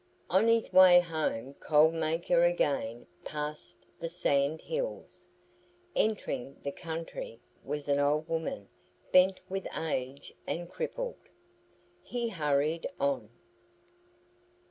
On his way home Cold Maker again passed the Sand Hills. Entering the country was an old woman bent with age and crippled. He hurried on.